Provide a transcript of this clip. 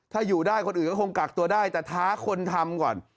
ถ้าอยู่ได้คนอื่นก็คงกักตัวได้แต่ท้าคนทำก่อน